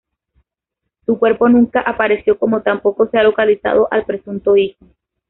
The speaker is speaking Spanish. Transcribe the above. Su cuerpo nunca apareció como tampoco se ha localizado al presunto hijo.